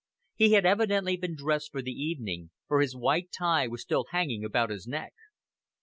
He had evidently been dressed for the evening, for his white tie was still hanging about his neck.